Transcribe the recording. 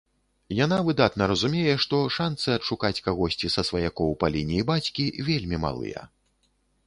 Яна выдатна разумее, што шанцы адшукаць кагосьці са сваякоў па лініі бацькі вельмі малыя.